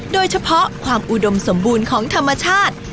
โดยเฉพาะความอุดมสมบูรณ์ของธรรมชาติ